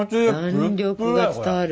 弾力が伝わる。